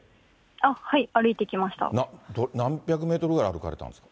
はい、何百メートルぐらい歩かれたんですか。